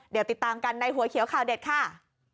เดี๋ยวติดตามกันในหัวเขียวข่าวเด็ดค่ะ